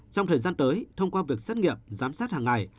trong thời gian tới thông qua việc xét nghiệm giám sát hàng ngày